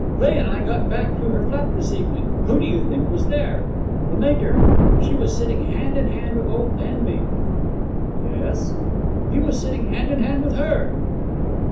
'Ray and I got back to her flat this evening. Who do you think was there? The mater! She was sitting hand in hand with old Danby.' 'Yes?' 'He was sitting hand in hand with her.'